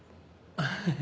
アハハ。